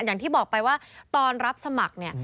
อย่างที่บอกไปว่าตอนรับสมัครเนี่ย